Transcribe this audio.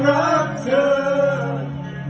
ดื่ม